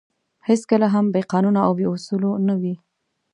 هېڅکله هم بې قانونه او بې اُصولو نه وې.